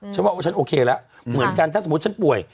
ฉันว่าฉันโอเคแล้วเหมือนกันถ้าสมมุติฉันป่วย